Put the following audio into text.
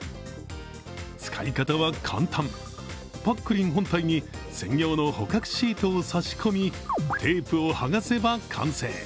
使い方は簡単、ぱっくりん本体に専用の捕獲シートを差し込み、テープを剥がせば完成。